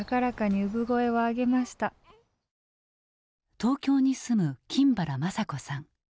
東京に住む金原まさ子さん。